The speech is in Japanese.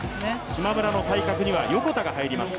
島村の対角には横田が入ります。